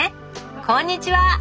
こんにちは！